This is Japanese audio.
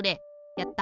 やった！